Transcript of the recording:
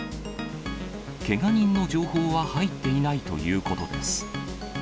けが人の情報は入っていないということです。